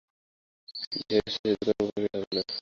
ঢের আছে–সেজন্যে তোমার ভাবিতে হইবে না।